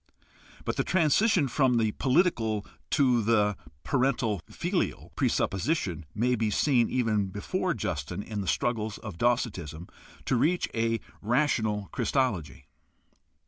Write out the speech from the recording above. But the transition from the political to the parental filial presupposition may be seen even before Justin in the struggles of Docetism to reach a rational Christology.